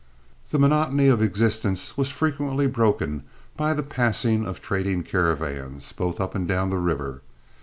The monotony of existence was frequently broken by the passing of trading caravans, both up and down the river.